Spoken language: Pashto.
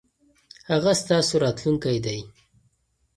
هغه ستاسو راتلونکی دی.